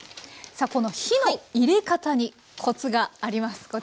さあこの火の入れ方にコツがあります。